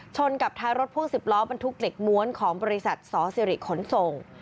ชนกับท้ายรถพ่วง๑๐ล้อบรรทุกเหล็กม้วนของบริษัทสสิริขนส่ง